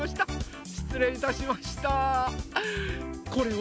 しつれいいたしました！